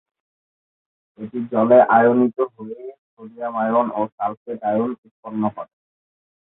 এটি জলে আয়নিত হয়ে সোডিয়াম আয়ন ও সালফেট আয়ন উৎপন্ন করে।